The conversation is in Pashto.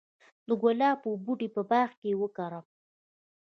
د ګلابو بوټي په باغ کې وکرم؟